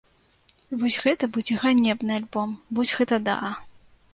Вось гэта будзе ганебны альбом, вось гэта да!